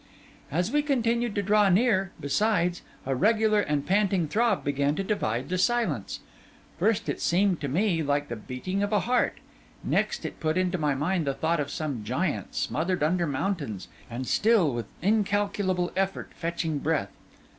As we continued to draw near, besides, a regular and panting throb began to divide the silence. First it seemed to me like the beating of a heart; and next it put into my mind the thought of some giant, smothered under mountains and still, with incalculable effort, fetching breath.